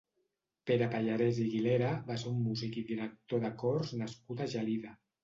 Pere Pallarès i Guilera va ser un músic i director de cors nascut a Gelida.